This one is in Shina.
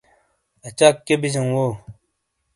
اچاک کیئے بی جاؤں وو؟